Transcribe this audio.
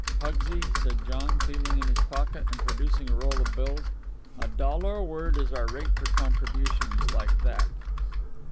"Pugsy," said John, feeling in his pocket, and producing a roll of bills, "a dollar a word is our rate for contributions like that."